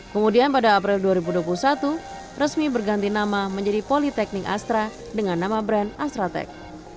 kemudian pada april dua ribu dua puluh satu resmi berganti nama menjadi politeknik astra dengan nama brand astra tech